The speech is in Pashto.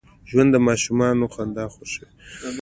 ژوندي د ماشومانو خندا خوښوي